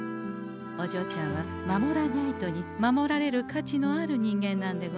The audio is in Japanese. おじょうちゃんは「守らニャイト」に守られる価値のある人間なんでござんすよ。